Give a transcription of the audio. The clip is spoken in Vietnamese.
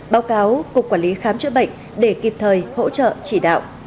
báo cáo cục quản lý khám chữa bệnh để kịp thời hỗ trợ chỉ đạo